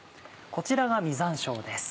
こちらが実山椒です。